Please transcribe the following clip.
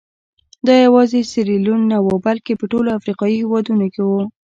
دا یوازې سیریلیون نه وو بلکې په ټولو افریقایي هېوادونو کې وو.